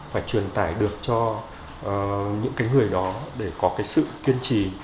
phải truyền tải được cho những người đó để có sự kiên trì